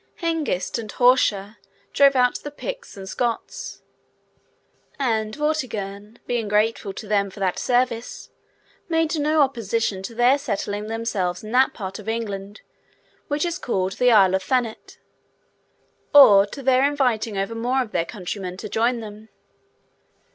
Hengist and Horsa drove out the Picts and Scots; and Vortigern, being grateful to them for that service, made no opposition to their settling themselves in that part of England which is called the Isle of Thanet, or to their inviting over more of their countrymen to join them.